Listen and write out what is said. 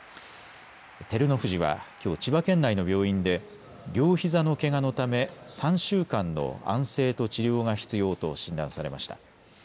照ノ富士はきょう、千葉県内の病院で両ひざのけがのため３週間の安静と治療が必要と診断されました。